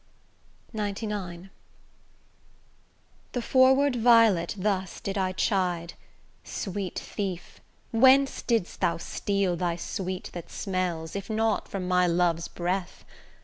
XCIX The forward violet thus did I chide: Sweet thief, whence didst thou steal thy sweet that smells, If not from my love's breath?